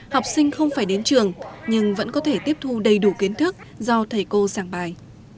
học sinh không phải đến trường nhưng vẫn có thể tiếp thu đầy đủ kiến thức do thầy cô sàng bài